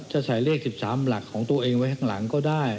จะใส่เลข๑๓หลักของตัวเองไว้ข้างหลังก็ได้